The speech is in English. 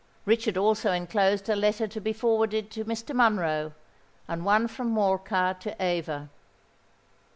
Richard also enclosed a letter to be forwarded to Mr. Monroe, and one from Morcar to Eva.